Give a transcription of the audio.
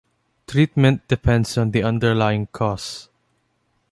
Treatment depends on the underlying cause.